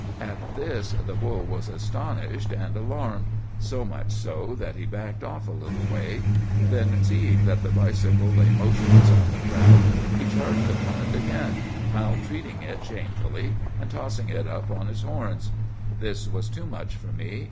"'At this the bull was astonished and alarmed—so much so that he backed off a little way. Then, seeing that the bicycle lay motionless on the ground, he charged upon it again, maltreating it shamefully, and tossing it up on his horns. "'This was too much for me.